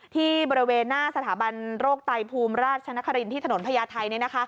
ที่บริเวณหน้าสถาบันโรคไตภูมิราชนครินที่ถนนพญาไทย